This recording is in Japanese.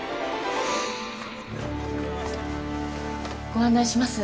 ご案内します。